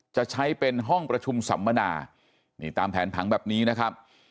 จะใช้เป็นห้องประชุมสัมมนานี่ตามแผนผังแบบนี้นะครับ